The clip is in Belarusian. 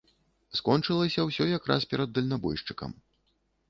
Скончылася ўсё якраз перад дальнабойшчыкам.